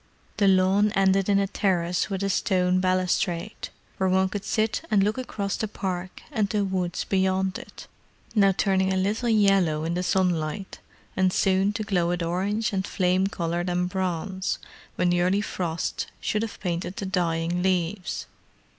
The lawn ended in a terrace with a stone balustrade, where one could sit and look across the park and to woods beyond it—now turning a little yellow in the sunlight, and soon to glow with orange and flame colour and bronze, when the early frosts should have painted the dying leaves.